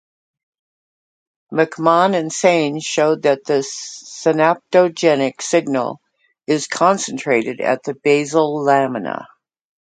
McMahan and Sanes showed that the synaptogenic signal is concentrated at the basal lamina.